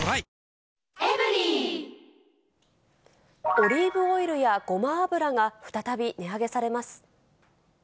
オリーブオイルやごま油が、再び値上げされます。